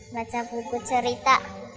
baca buku cerita